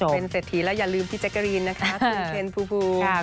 ใช่ค่ะเป็นเศรษฐีแล้วอย่าลืมพี่เจ๊กกะรีนนะคะคุณเทนฟู